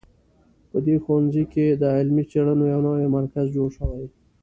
په دې ښوونځي کې د علمي څېړنو یو نوی مرکز جوړ شوی